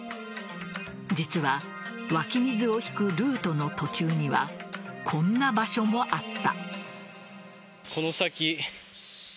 実は湧き水を引くルートの途中にはこんな場所もあった。